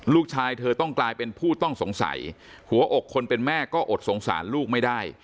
ลูกชายเธอต้องกลายเป็นผู้ต้องสงสัยหัวอกคนเป็นแม่ก็อดสงสารลูกไม่ได้